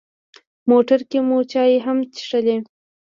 موټر کې مو چای هم څښلې.